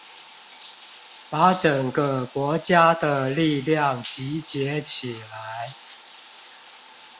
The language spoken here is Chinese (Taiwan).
把整個國家的力量集結起來